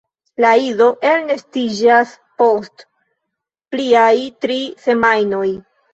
La ido elnestiĝas post pliaj tri semajnoj.